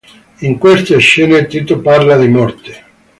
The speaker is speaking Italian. In queste scene tutto parla di morte.